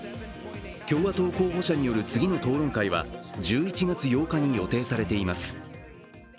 共和党候補者による次の討論会は１１月８日に予定されています。